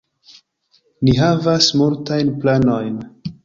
Ni havas multajn planojn.